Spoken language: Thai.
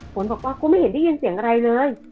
ฝนบอกว่ากูไม่เห็นได้ยินเสียงอะไรเลย